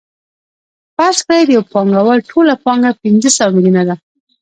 فرض کړئ د یو پانګوال ټوله پانګه پنځه سوه میلیونه ده